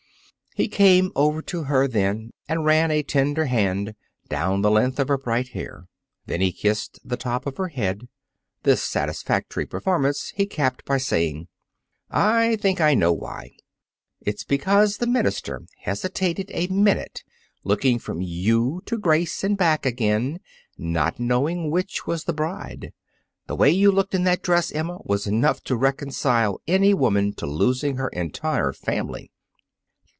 He came over to her then and ran a tender hand down the length of her bright hair. Then he kissed the top of her head. This satisfactory performance he capped by saying: "I think I know why. It's because the minister hesitated a minute and looked from you to Grace and back again, not knowing which was the bride. The way you looked in that dress, Emma, was enough to reconcile any woman to losing her entire family."